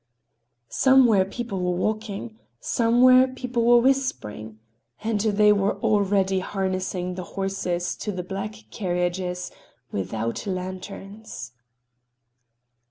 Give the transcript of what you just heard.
Somewhere people were walking. Somewhere people were whispering. And they were already harnessing the horses to the black carriages without lanterns.